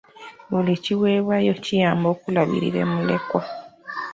Buli kiweebwayo kiyamba okulabirira mulekwa.